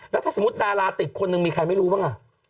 แล้วถ้าสมมุติดาราติดคนหนึ่งมีใครไม่รู้บ้าง